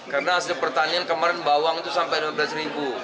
karena hasil pertanian kemarin bawang itu sampai rp lima belas